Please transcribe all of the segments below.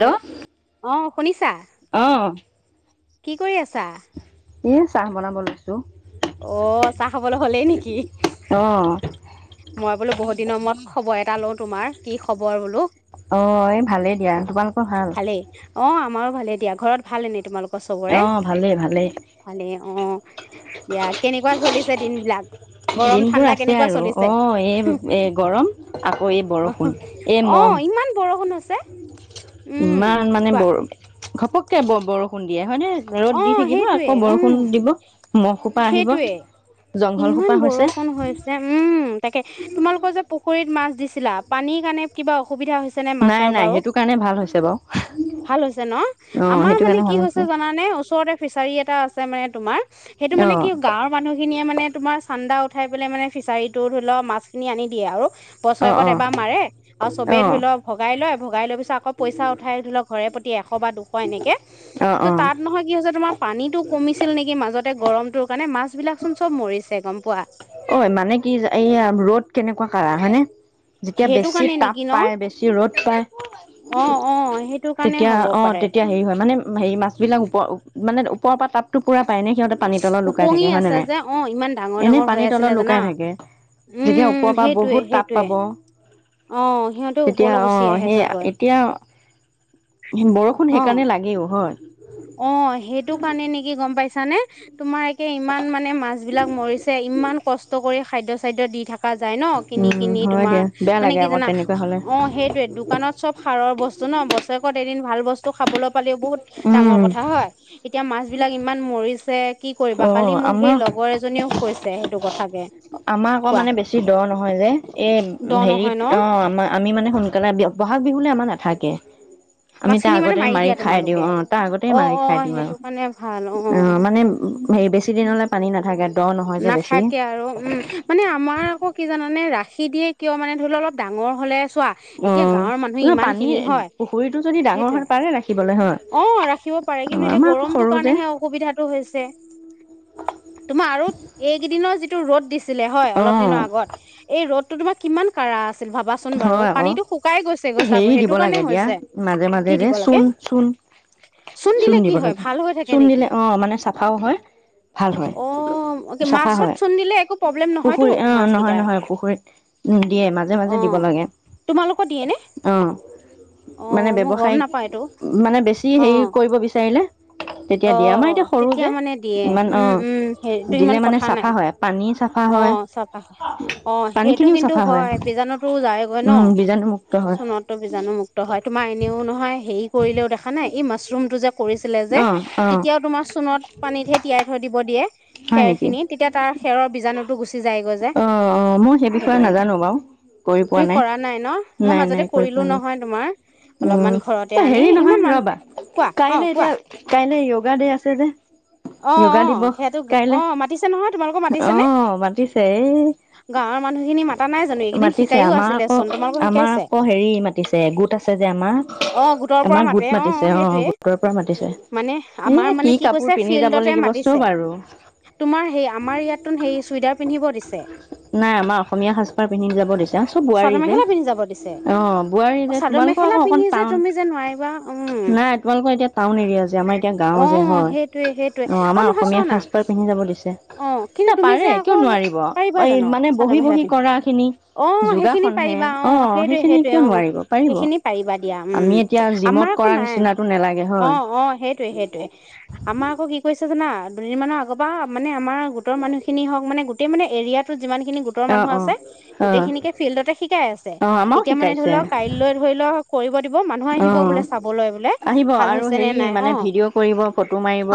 Hello অঁ শুনিছা। আহ। কি কৰি আছা? এ চাহ বনাইছো লৈছো। অ চাহ খাবলৈ হলেই নেকি মই বোলো বহুত দিনৰ মূৰত খবৰ এটা লওঁ তোমাৰ কি খবৰ বোলো ভালেই। অ আমাৰো ভালে দিয়া ঘৰত ভাল এনেই তোমালোক। চবৰে ভালে অ। এতিয়া কেনেকুৱা চলিছে দিন বিলাক। দিনবোৰ আছে আৰু অ এই এ গৰম আকৌ এই বৰষুণ এই মহ ইমান মানে বৰ। ঘপককে বৰষুণ দিয়ে হয় ন। ৰদ দি থাকিব আকৌ বৰষুণ দিব মহসোপা আহিব জংঘলো ইমান বৰষুণ হৈছে উম তাকে তোমালোকৰ যে পুখুৰীত মাছ দিছিলা পানীৰ কাৰণে কিবা অসুবিধা হৈছে নে মাছৰ বাৰু ভাল হৈছে ন আমাৰ মানে কি হৈছে জানা ওচৰতে ফিচাৰী এটা আছে মানে তোমাৰ সেইটো মানে কি গাঁৱৰ মানুহখিনিয়ে মানে তোমাৰ চান্দা। পঠাই পেলাই মানে ফিচাৰীটো ধৰি লওক মাছখিনি আনি দিয়ে আৰু। বছৰেকত এবাৰ মাৰে আৰু চবেই ধৰি লও ভগাই লয়। ভগাই লবি আকৌ পইচা উঠাই ধৰিল' ঘৰে পত [unintelligible] এশ বা দুশ এনেকে তাত নহয়। কি হৈছে তোমাৰ, পানীটো কমিছিল নেকি মাজতে গৰম মানে, মাছ বিলাকচোন চব মৰিছে, গম পোৱা। [unintelligible] যেতিয়া বেছি তাপ পায়, বেছি ৰ'দ পায়। তেতিয়া, অ' তেতিয়া হেৰি হয়। মানে, হে মাছ বিলাক ওপ [unintelligible] মানে কৰ পৰা তাত [unintelligible] পায় নে, সিহঁতে পানী তলত লুকাই থাকে হয় নে নাই। এনে পানীৰ তলত লুকাই থাকে। যেতিয়া ওপৰৰ পৰা বহুত তাপ পাব তেতিয়া অ' সেই এতিয়া, বৰষুণ সেইকাৰণে লাগেও। হয়। অ' সেইটো কাৰণে, নেকি গম পাইছ নে। [inaudible] তোমাৰ এতিয়া ইমান মানে, মাছ বিলাক মৰিছে ইমান কষ্ট কৰি খাদ্য চাদ্য দি থকা যায় ন' কিনি কিনি তোমাৰ। মানে, কি জানা অ' সেইটোয়ে দোকানত চব সাৰৰ বস্তু ন বছৰেকত এদিন ভাল বস্তু খাবলৈ পালেও বহুত ডাঙৰ কথা হয়। এতিয়া মাছ বিলাক ইমান মৰিছে কি কৰিবা! কালি মোক সেই লগৰ এজনীও কৈছে সেইটো কথাকে! আমাৰ আকৌ মানে, বেছি দ নহয় যে, এই হেৰিত অ' আমাৰ আমি মানে, সোনকালে বহাগ বিহুলে আমাৰ না থাকে। আমি তাৰ আগতে মাৰি খাই দিওঁ। অ' তাৰ আগতে মাৰি খাই দিওঁ আৰু অ' মানে সেই বেছি দিনলে পানী নাথাকে। দ' নহয় যে বেছি! উম, মানে আমাৰ আকৌ, কি জানানে ৰা খি দিয়ে। কিয় মানে, ধৰি লওক অলপ ডাঙৰ হ'লে চোৱা এতিয়া গাঁৱৰ মানুহ ইমান খিনি হয় সেইটোৱে অ ৰাখিব পাৰে কিন্তু এতিয়া গৰমটো কাৰণেহে অসুবিধাটো হৈছে তোমাৰ আৰু এইকেইদনৰো য ৰদ দিছে। হয় অলপ দিনৰ আগত তোমাৰ কিমান কাৰা আছে। হয় আকৌ হেৰি দিব লাগে দিয়া মাজে মাজে যে চূণ চূণ চূণ দিব লাগে চূণ দিলে অ মানে চাফাও হয় ভাল হয়। চাফা হয় পুখুৰী অ নহয় নহয় পুখুৰীত দিয়ে মাজে মাজে দিব লাগে, অ! মানে ব্যৱসায় মানে বেছি হেৰি কৰিব বিচাৰি অ চতিয়া মানে দিয়ে উম উম সেইটো ইমান কথা নাই অ চফা অ সেইটো কিন্তু হয় বীজাণুত যায়গৈ ন চণতো বীজাণু মুক্ত হয় তোমাৰ এনেও নহয় হেৰি কৰিলেও দেখা নাই ই মাৰুম [inaudible] কৰিছিলে যে তেতিয়াও তোমাৰ চোণত পানীতহে তিয়াই থৈ দিব দিয়ে। খেৰ খিনি তেতিয়া তাৰ খেৰৰ বীজাণু এই পিনতো গোছি। চিজাই গৈ যে সেইটো তুমি কৰা নাই ন মই মাজতে কৰিলো নহয় তোমাৰ অলপমান ঘৰতে আনি ইমান মান কোৱা অ কোৱা। কাইলৈ য়োগা দে আছে যে য়োগা দিৱস কাইলে অ মাতিছে। এই মাতিছে আমাৰ আকৌ আমাৰ আকৌ হেৰি মাতিছে গোট আছে যে আমাৰ আমাৰ গোট মাতিছে অ গোটৰ পৰা মাতি মানে আমাৰ মানে কি কৈছে ফিল্ডতে মাতিছে তোমাৰ সেই আমাৰ ইয়াত তোন সেই চুইদাৰ পিন্ধিব। নাই আমাৰ অসমীয়া সাজপাৰ পিন্ধি যাব দিছা চব বোৱাৰী যে অ বোৱাৰী যে তোমালোকৰ আকৌ অক টাউন, নাই তোমালোকৰ এতিয়া টাউন এৰিয়া যে আমাৰ এতিয়া গাও যে হয় অ আমাৰ অসমীয়া সাজপাৰ পিন্ধি যাব দিছে ন পাৰে কিয় নোৱাৰিব। এই মানে বহি বহি কৰা খিনি যোগাসনহে অ সেইখিনি কিয় নোৱাৰিব পাৰিব আমি এতিয়া জিমত কৰা নিচিনটো নালাগে। অ অ সেইটয়ে সেইটয়ে আমাৰ আকৌ কি কৰিছে জানা। [unintelligible] যিমান খিনি গোটৰ মানুহ আছে গোটেইখিনিকে ফিল্ডতে শিকাই আছে এতিয়া মানে ধৰি লওক কাইলৈ ধৰি লওক কৰিব দিব মানুহে আহিব বোলে চাবলৈ বোলে- ভাল হৈছে নে নাই অ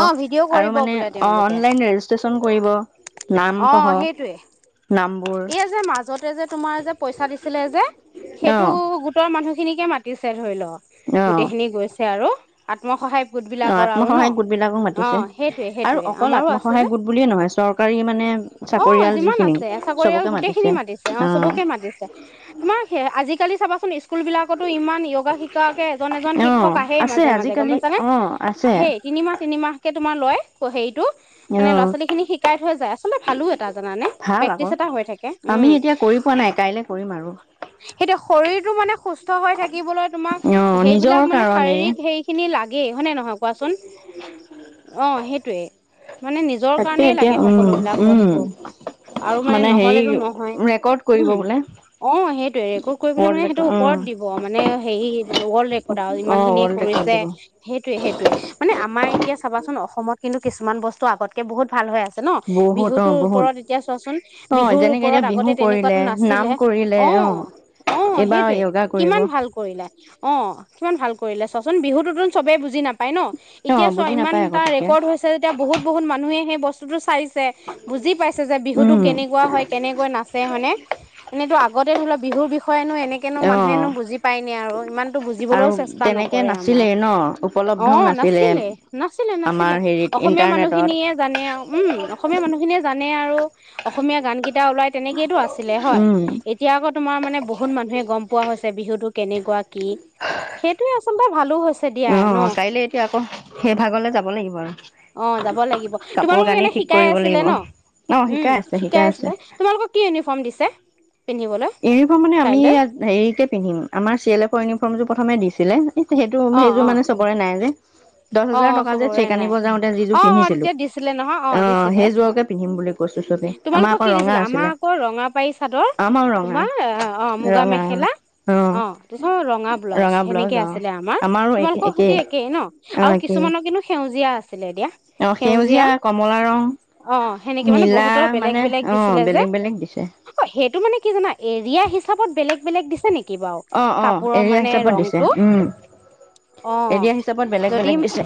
অ ভিডিঅ' কৰিব বোলে তেওঁলোকে অ সেইটোৱে এই যে মাজতে যে তোমাৰ যে পইচা দিছিলে যে সেইটো গোটৰ মানুহখিনিকে মাতিছিল ধৰি ল গোটেই খিনি গৈছে আৰু- আত্মসহায় গোট বিলাকৰ আৰু ন অ সেইটোয়ে সেইটোয়ে আমাৰো আছে যে অ যিমান আছে চাকৰিয়াল গোটেই খিনি মাতিছে অ চবকে মাতিছে তোমাৰ আজিকালি চাবা নিশ স্কুলবলাকতো ইমান য়োগা শিক্ষাকে এজন এজন শিক্ষক আহে মাজে মাজে মাজে গম পাইছা নে সেই তিনিমাহ তিনিমাহ কে তোমাৰ লয় হেৰিটো মানে ল'ৰা ছোৱালী খিনি শিকাই থৈ যায় আচলতে ভালো এটা জানানে প্ৰেক্টিচ এটা হৈ থাকে উম, সেইটোয়া শৰীৰটো মানে সুস্থ হৈ থাকিবলৈ তোমাক সেইবিলাক মানে শাৰীৰিক এনে লাগে হয়নে নহয় কোৱাচোন অ সেইটোৱে মানে নিজৰ কাৰণেই লাগে সকলো বিলাক বস্তু আৰু মানে নহলে টো নহয় অ সেইটোৱে ৰেকৰ্ড কোৰিপেলাই মানে সেইটো ওপৰত দিব মানে হেই ৱৰ্ল্ড ৰেকৰ্ড আৰু যিমানখিনি সেইটোয়ে সেইটোয়ে মানে আমাৰ এতিয়া চাবাচোন অসমত কিন্তু কিছুমান বস্তু আগতকে বহুত ভাল হৈ আছে। ন বিহুতো ওপৰত এতিয়া চোৱা চুন বিহুৰ ওপৰত আগতে তেনেকুৱা টো নাছিলে অ, অ সেইটোৱে কিমান ভাল কৰিলে অ কিমান ভাল কৰিলা চুন বিহুতো টোন ছবে বুজি নাপায়। ন এতিয়া চোৱা ইমান এটা ৰেকৰ্ড হৈছে যেতিয়া বহুত বহুত মানুহে হেই বস্তু টো চাইজ বুজি পাইছে যে বিহুটো কেনেকুৱা হয় কেনেকৈ নাচে হয়নে এনেতো আগতে ধৰি লোৱা বিহুৰ বিহু হয়নো এনেকেনো মানুহেনো বুজি পায় ন আৰু ইমানতো বুজিবলৈও চেষ্টা ন আমাৰ অ নাছিলে নাছিলে নাছিলে অসমীয়া মানুহখিনিয়ে জানে উম, অসমীয়া মানুহখিনিয়ে জানে আৰু ৰু অসমীয়া গান গীতা ওলাই তেনেকেইেটো আছিলে হয় এতিয়া আকৌ তোমাৰ মানে বহুত মানুহে গম পোৱা হৈছে বিহুটো কেনেকুৱা কি সেইটোৱে পা ভালো হৈছে ছে দিয়া ন অ যাব লাগিব তোমালোকক এনেই শিকাই আছিলে ন উম শিকাই আছিলে তোমালোকক কি ইউনিফৰ্ম দিছে ইউনিফৰ্ম মানে আমি হেৰিকে পিন্ধিম আমাৰ চি এল এফৰ ইউনিফৰ্মটো প্ৰথমে দিছ দিছিলে সেইটো সেইযোৰ মানে চবৰে নাই যে। দহ হাজাৰ টকা যে চেক আনিব যাওঁতে যিযোৰ পিন্ধিছিলো, অঁ সেইযোৰকে পিন্ধিম বুলি কৈছো চবে, আমাৰ আকৌ ৰঙা আছিলে, আমাৰ ৰঙা তোমাৰ অ, অ মুগা মেখেলা অ, তাৰপছত ৰঙা ব্লাউজ, সেনেকে আছিলে আমাৰ, তোমালোকৰ সৈতে একেই ন? আৰু কিছুমানৰ কিন্তু সেউজীয়া আছে দিয়া, সেউজীয়া, অ সেনেকে মানে বহুতৰ বেলেগ বেলেগ দিছিলে যে। আ সেইটো মানে কি জানা এৰিয়া হিচাপত বেলেগ বেলেগ দিছে নেকি বাৰু কাপোৰৰ মানে ৰংটো, অ'। বেলেগ দিছে।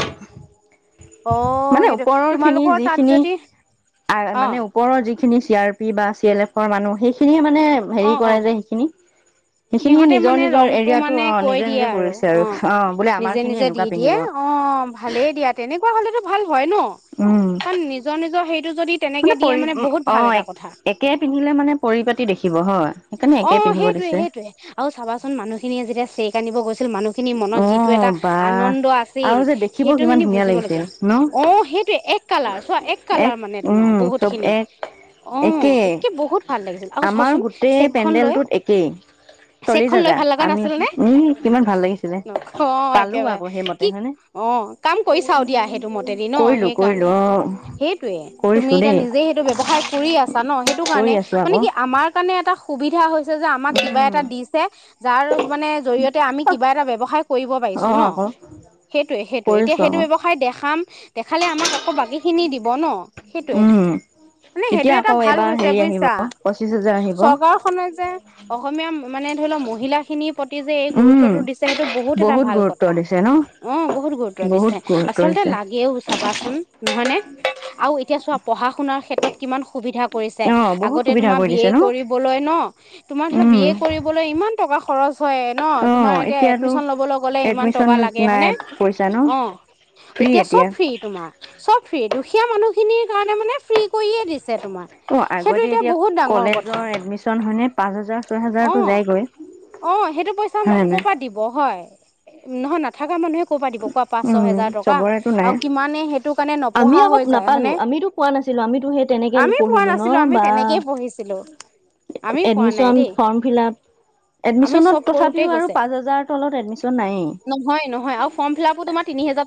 মানে ওপৰৰ খিনি যিখিনি মানে ওপৰৰ যিখিনি চি আৰ পি বা চি এল এফ মানুহ, সেইখিনিয়ে মানে হে কৰাই যায় সেইখিনি সিহঁতে মানে ৰংটো মানে কৈ দিয়ে আৰু অ' নিজে- নিজে দি দিয়ে। অ ভালেই দিয়া তেনেকুৱা হলেতো উম মানে পৰি অঁ একে পিন্ধিলে মানে পৰিপাতি দেখিব হয়। অঁ সেইটোয়ে-সেইটোয়ে আৰু চাবাচোন মানুহ খিনিয়ে যেতিয়া [unintelligible] ছিল মানুহখিনিৰ মনত যিটো এটা আনন্দ আছিল সেইটো খিনি বুজিবলগীয়া। অ সেইটো এক কালাৰ চোৱা এক কালাৰ মানে তোমাৰ বহুত খিনি অ একে বহুত ভাল লাগিছিল আৰু চোৱাচোন চেন্দেলটোত একেই। চল্লিশ হাজাৰ আমি, উম্ কিমান ভাল লাগি অ' একেবাৰে কি অ কাম কৰি চাও দিয়া সেইটো মতেদি ন সেই কাৰণে সেইটোয়ে তুমি এতিয়া নিজে সেইটো ব্যৱসায় কৰি আছা ন সেইটো কাৰণে মানে কি আমাৰ কাৰণে এটা [inaudible] যে আমাক কিবা এটা দিছে যাৰ মানে জৰিয়তে আমি কিবা এটা ব্যৱসায় কৰিব পাৰিছো ন। সেইটোয়ে- সেইটোয়ে এতিয়া সেইটো ব্যৱসায় দেখাম দেখালে আমাক আকৌ বাকীখিনি দিব ন। উম, তেতিয়া আকৌ এবাৰ হেৰি আহিব পঁচিশ হাজাৰ আহিব। যে অসমীয়া মানে ধৰি লওক মহিলাখিনি প্ৰতি যে এই গুৰুত্বটো দিছে সেইটো বহুত এটা ভাল কথা অ বহুত গুৰুত্ব দিছে আচলতে লাগেও চাবাচোন নহয়নে। আৰু এতিয়া চোৱা পঢ়া শুনাৰ ক্ষেত্ৰত কিমান সুবিধা কৰিছে আগতে তোমাৰ বি এ কৰিবলৈ ন তোমাৰ বি এ কৰিবলৈ ইমান টকা খৰচ হয় ন তোমাৰ এতিয়া এডমিচন লবলৈ গলে ইমান টকা লাগে হনেে অ এতিয়া চব ফ্ৰী তোমাৰ চব ফ্ৰী দুখীয়া মানুহখিনিৰ কাৰণে মানে ফ্ৰী কৰিয়ে দিছে তোমাৰ সেইটো এতিয়া বহুত ডাঙৰ কথা হয়নে পাঁচ হাজাৰ ছয় হাজাৰতো যায়গৈ অ সেইটো পইচা ক' পৰা দিব হয় নহয় নাথকা মানুহে ক'বা দিব কোৱা পাঁচ ছ হেজাৰ টকা আৰু কিমানে সেইটো কাৰণে নপঢ়া হৈ যায় হয়নে,, আমি পোৱা নাছিলো আমি তেনেকেই পঢ়িছিলো আমি পোৱা নাই দেই এডমিশনত তথাপিও আৰু পাঁচ হাজাৰৰ তলত এডমিশন নাইেই আৰু ফৰ্ম ফিলাপ তোমাৰ তিনি হাজাৰ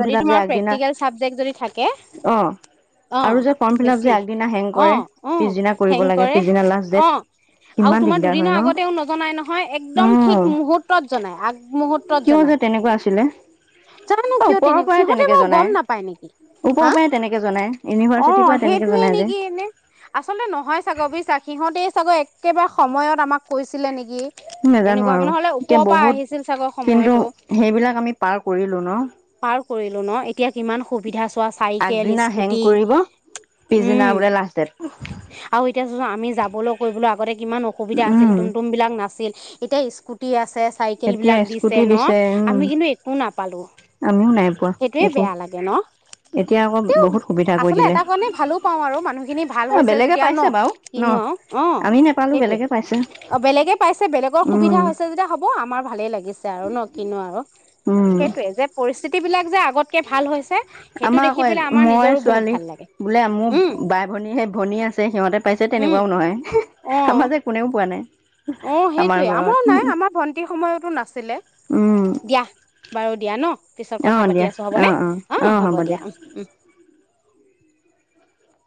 যদি তোমাৰ প্ৰেক্টিকেল ছাবজেক্ট যদি থাকে, অঁ বেছি উম, হেৰী কৰে অঁ দুদিনৰ আগতেও নজনাই নহয় একদম ঠিক মুহুৰ্তত জনাই আগ জানো কিয় তেনে সিহঁতে বাৰু গম নাপায় নেকি হা অ সেইটোয়ে নেকি এনে আচলতে নহয় ছাগ বি চাগ সিহঁতে চাগ একেবাৰে সময়ত আমাক কৈছে নাজানো আৰু এতিয়া বহুত কিন্তু সেইবিলাক আমি পাৰ কৰিলো ন কৰিলো ন এতিয়া কিমান সুবিধা চাইকেল স্কুটি উম আৰু এতিয়া আমি যাবলৈ কৰিবলৈ আগতে কিমান অসুবিধা আছিল টুটুমবিলাক নাছিল এতিয়া স্কুটি আছে। চাইকেল বিলাক দিছে ন আমি কিন্তু একো নাপালো সেইটোয়ে বেয়া লাগে ন? তে আচলতে এটা কাৰণে ভালো পাও আৰু মানুহখিনি ভাল হৈছে যেতিয়া ন কিনো আৰু অ সেইটোৱে। অ বেলেগে পাইছে বেলেগৰ সুবিধা হৈছে যেতিয়া হ'ব আমাৰ ভালেই লাগিছে আৰু ন কিনো আৰু সেইটয়ে যে পৰি স্থিতি বিলাক যে আগতকে ভাল হৈছে আমাৰ আকৌ মই ছোৱালী বোলে মোৰ বাই ভনী সেই ভনী আছে সিহঁতে পাইছে তেনেকুৱাও নহয় আমাৰ যে কোনেও পোৱা নাই অ সেইটোয়ে আমাৰো নাই আমাৰ ভন্টি সময়তো নাছিল দিয়া বাৰু দিয়া ন পিছত কথা পাতি আছো হ'বনে অ হ'ব দিয়া উ